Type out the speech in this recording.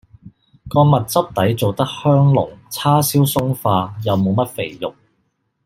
個蜜汁底做得香濃，叉燒鬆化，又無乜肥肉